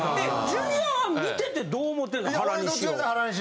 ジュニアは見ててどう思てんの原西を。